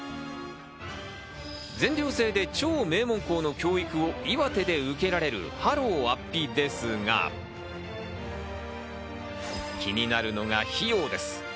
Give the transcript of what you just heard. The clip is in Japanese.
全寮制で超名門校の教育を岩手で受けられるハロウ安比ですが、気になるのが費用です。